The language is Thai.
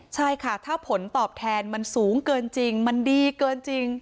ใช่ค่ะถ้าผลตอบแทนมันสูงเกินจริงมันดีเกินจริง